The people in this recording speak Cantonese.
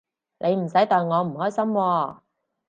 你唔使代我唔開心喎